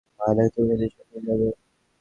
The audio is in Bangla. মা না-কি তোমাকে নিয়ে শপিং এ যাবে।